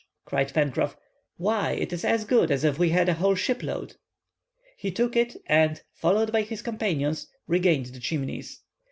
cried Pencroff." "Why, it is as good as if we had a whole ship load!" He took it, and, followed by his companions, regained the Chimneys.